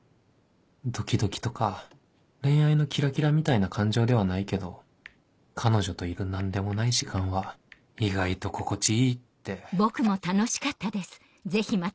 ドキドキとか恋愛のキラキラみたいな感情ではないけど彼女といる何でもない時間は意外と心地いいって